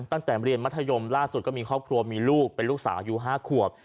ตั้งแต่เรียนมัธยมล่าสุดก็มีครอบครัวมีลูกเป็นลูกสาวอยู่๕ขวบ